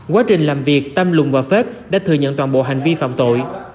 quá trình làm việc tâm lùng và phết đã thừa nhận toàn bộ hành vi phạm tội